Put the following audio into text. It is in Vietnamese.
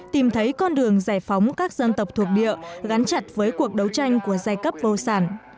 tìm thấy con đường giải phóng các dân tộc thuộc địa gắn chặt với cuộc đấu tranh của giai cấp vô sản